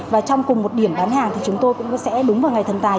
và trong cùng một điểm bán hàng thì chúng tôi cũng sẽ đúng vào ngày thần tài